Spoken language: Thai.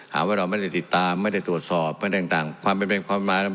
หาว่าเราไม่ได้ติดตามไม่ได้ตรวจสอบไม่ได้ต่างความเป็นเป็นความมา